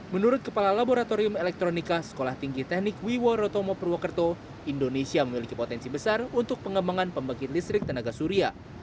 menurut kepala laboratorium elektronika sekolah tinggi teknik wiwo rotomo purwokerto indonesia memiliki potensi besar untuk pengembangan pembangkit listrik tenaga surya